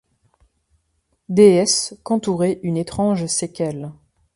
Déesse qu'entourait une étrange séquelle